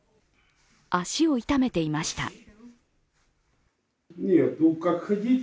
足を痛めていました。